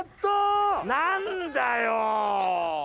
なんだよー！